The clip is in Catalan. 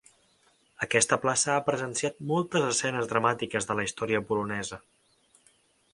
Aquesta plaça ha presenciat moltes escenes dramàtiques de la història polonesa.